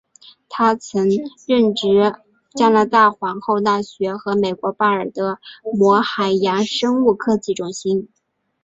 他曾任职加拿大皇后大学和美国巴尔的摩海洋生物科技中心。